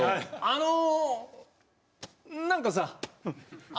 「あの何かさあの」。